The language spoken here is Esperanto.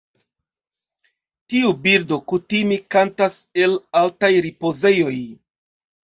Tiu birdo kutime kantas el altaj ripozejoj.